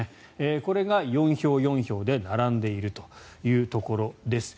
これが４票、４票で並んでいるというところです。